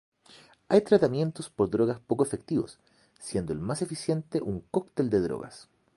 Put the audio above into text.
Hay tratamientos por drogas poco efectivos, siendo el más eficiente un cóctel de drogas.